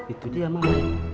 itu dia mak